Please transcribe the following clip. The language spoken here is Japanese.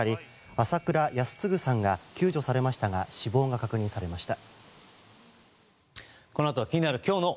朝倉泰嗣さんが救助されましたが死亡が確認されました。